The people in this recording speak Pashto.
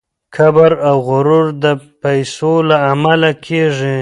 کبر او غرور د پیسو له امله کیږي.